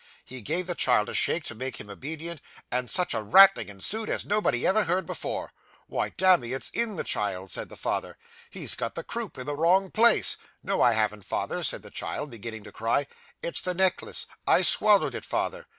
He gave the child a shake to make him obedient, and such a rattling ensued as nobody ever heard before. "Why, damme, it's in the child!" said the father, "he's got the croup in the wrong place!" "No, I haven't, father," said the child, beginning to cry, "it's the necklace; I swallowed it, father."